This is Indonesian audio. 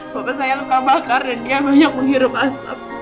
bapak saya luka bakar dan dia banyak menghirup asap